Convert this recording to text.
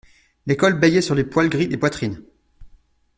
Les cols bâillaient sur les poils gris des poitrines.